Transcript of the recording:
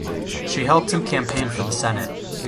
She helped him campaign for the Senate.